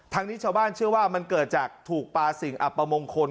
นี้ชาวบ้านเชื่อว่ามันเกิดจากถูกปลาสิ่งอับประมงคล